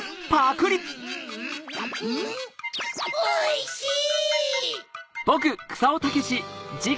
おいしい！